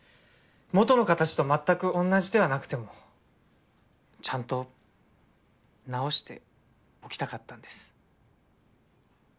元の形と全く同じではなくてもちゃんと直しておきたかったんです。